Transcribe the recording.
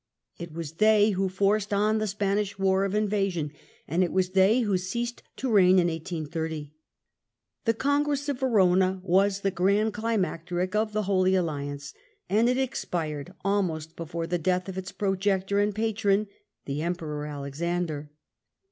It was they who forced on the Spanish war of invasion ; and it was they who ceased to reign in 1830. The Congress of Verona was the grand climacteric of the Holy Alliance ; and it expired almost before the death of its projector and patron, the Emperor Alexander.